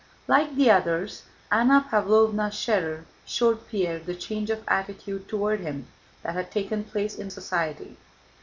Like the others, Anna Pávlovna Schérer showed Pierre the change of attitude toward him that had taken place in society.